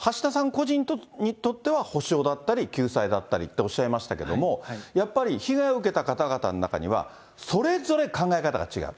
個人にとっては補償だったり、救済だったりっておっしゃいましたけれども、やっぱり被害を受けた方々の中には、それぞれ考え方が違う。